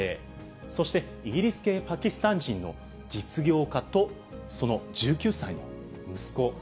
そして、イギリス系パキスタン人の実業家とその１９歳の息子。